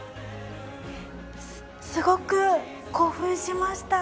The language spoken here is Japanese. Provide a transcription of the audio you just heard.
すごく興奮しました！